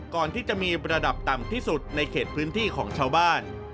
ก่อนที่จะมีระดับต่ำที่สุดในเขตพื้นที่ของชาวบ้าน